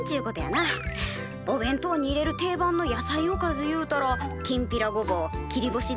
お弁当に入れる定番の野菜おかずいうたらきんぴらごぼう切り干し